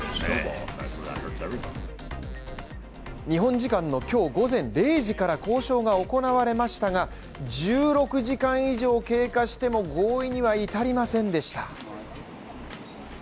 日本時間の今日午前０時から交渉が行われましたが１６時間以上経過しても合意には至りませんでした。